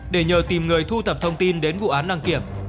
để nhờ tìm người thu thập thông tin đến vụ án đăng kiểm